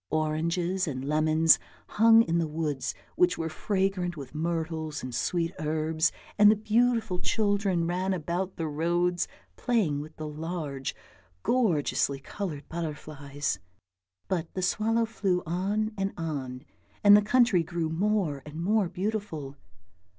Oranges and lemons hung in the woods which were fragrant with myrtles and sweet herbs, and beautiful children ran about the roads playing with the large gorgeously coloured butterflies. But the swallow flew on and on, and the country grew more and more beautiful.